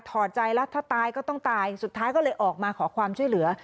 อดใจแล้วถ้าตายก็ต้องตายสุดท้ายก็เลยออกมาขอความช่วยเหลือ